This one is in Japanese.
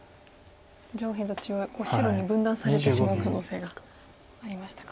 上辺と中央が白に分断されてしまう可能性がありましたか。